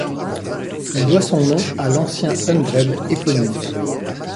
Il doit son nom à l'ancien hundred éponyme.